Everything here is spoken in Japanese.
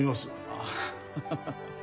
あっハハハ